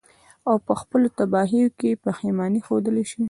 او په خپلو تباهيو ئې پښېمانه ښودلے شي.